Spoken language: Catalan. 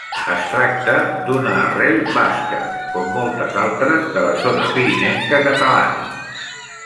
Es tracta d'una arrel basca, com moltes altres de la zona pirinenca catalana.